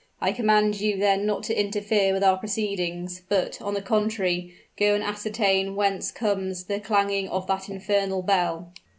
I command you then not to interfere with our proceedings; but, on the contrary, go and ascertain whence comes the clanging of that infernal bell."